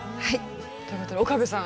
ということで岡部さん。